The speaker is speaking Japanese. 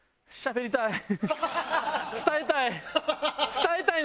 伝えたい。